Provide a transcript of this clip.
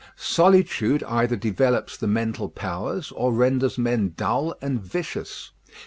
Solitude either develops the mental powers, or renders men dull and vicious.